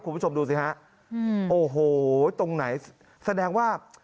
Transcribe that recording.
คุณผู้ชมดูสิฮะโอ้โหตรงไหนแสดงว่า